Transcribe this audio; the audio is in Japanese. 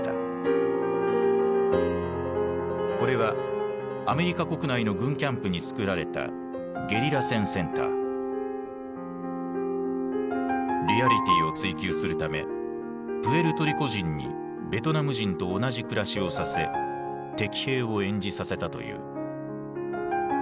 これはアメリカ国内の軍キャンプにつくられたリアリティーを追求するためプエルトリコ人にベトナム人と同じ暮らしをさせ敵兵を演じさせたという。